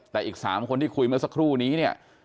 แต่อีก๓คนที่คุยเมื่อสักครู่นี้เนี่ย